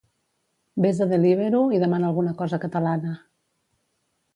Ves a Deliveroo i demana alguna cosa catalana